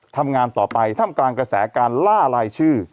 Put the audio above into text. ทำงานต่อไปท่ามกลางกระแสการล่ารายชื่อ